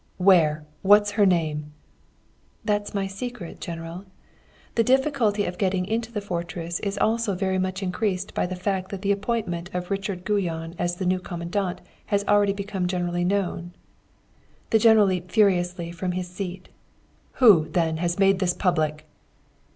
"'Where? What's her name?' "'That's my secret, General. The difficulty of getting into the fortress is also very much increased by the fact that the appointment of Richard Guyon as the new Commandant has already become generally known.' "The General leaped furiously from his seat. "'Who, then, has made this public?'